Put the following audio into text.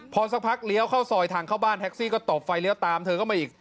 พอสักพักเลี้ยวเข้าซอยทางเข้าบ้านแท็กซี่ก็ตบไฟเลี้ยวตามเธอเข้ามาอีก